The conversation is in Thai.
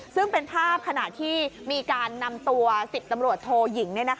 ซึ่งเป็นภาพขณะที่มีการนำตัว๑๐ตำรวจโทยิง